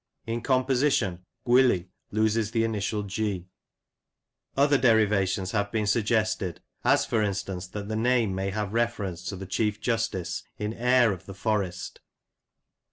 In composition, * gwili' loses the initial G." Other derivations have been suggested, as, for instance, that the name may have reference to the Chief Justice in " Eyre " of the Forest.